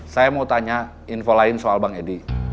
saya mau tanya info lain soal bang edi